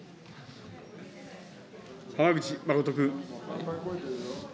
浜口誠君。